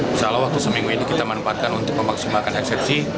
insya allah waktu seminggu ini kita manfaatkan untuk memaksimalkan eksepsi